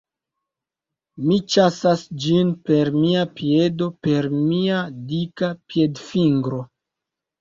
Mi ĉasas ĝin per mia piedo per mia dika piedfingro...